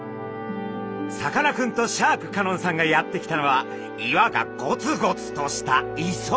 さかなクンとシャーク香音さんがやって来たのは岩がゴツゴツとした磯。